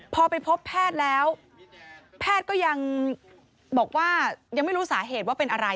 พอไปพบแพทย์แล้วแพทย์ก็ยังบอกว่ายังไม่รู้สาเหตุว่าเป็นอะไร